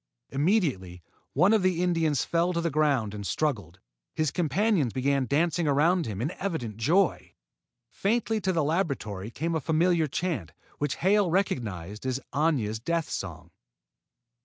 Immediately one of the Indians fell to the ground and struggled. His companions began dancing around him in evident joy. Faintly to the laboratory came a familiar chant, which Hale recognized as Aña's death song.